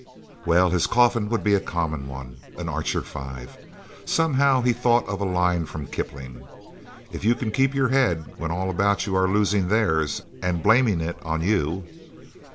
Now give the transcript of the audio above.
Well his coffin would be a common one an Archer Five... Somehow, he thought of a line from Kipling: "If you can keep your head when all about you are losing theirs and blaming it on you..."